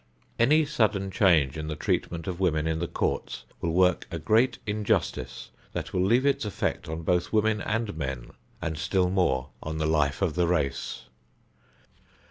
Any sudden change in the treatment of women in the courts will work a great injustice that will leave its effect on both women and men, and still more on the life of the race.